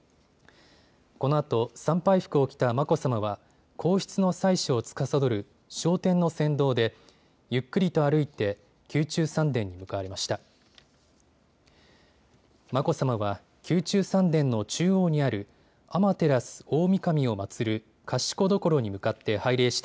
このあと参拝服を着た眞子さまは皇室の祭しをつかさどる掌典の先導でゆっくりと歩いて宮中三殿に向かわれました。